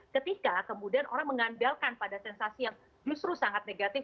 ketika kemudian orang mengandalkan pada sensasi yang justru sangat negatif